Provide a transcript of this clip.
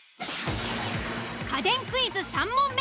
家電クイズ３問目。